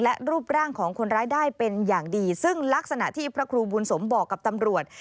และรูปร่างของคนร้ายได้เป็นอย่างดีซึ่งลักษณะที่พระครูบุญสมบอกกับตำรวจ